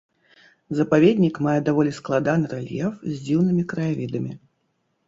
Запаведнік мае даволі складаны рэльеф з дзіўнымі краявідамі.